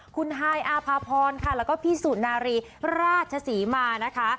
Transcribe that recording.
คุณฮายอาภาพรค่ะแล้วก็พี่สุนารีราชศรีมานะคะ